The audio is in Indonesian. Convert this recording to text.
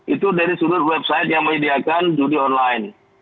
itu dari sudut website yang menyediakan judi online